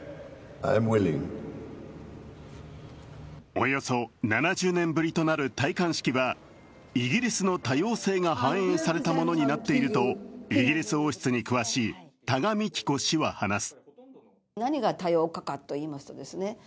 およそ７０年ぶりとなる戴冠式はイギリスの多様性が反映されてものになっているとイギリス王室に詳しい多賀幹子氏は話す。